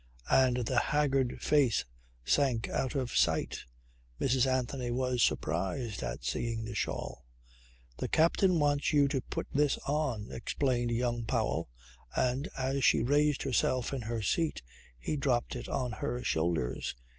And the haggard face sank out of sight. Mrs. Anthony was surprised on seeing the shawl. "The captain wants you to put this on," explained young Powell, and as she raised herself in her seat he dropped it on her shoulders.